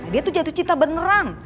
dia tuh jatuh cinta beneran